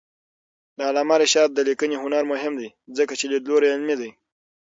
د علامه رشاد لیکنی هنر مهم دی ځکه چې لیدلوری علمي دی.